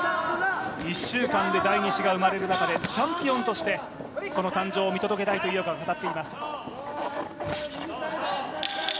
１週間で第２子が生まれる中でチャンピオンとしてその誕生を見届けたいと井岡は語っています。